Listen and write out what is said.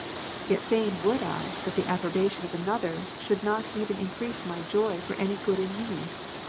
Yet fain would I, that the approbation of another should not even increase my joy for any good in me.